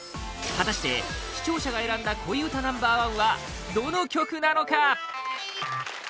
果たして、視聴者が選んだ恋うたナンバー１はどの曲なのか？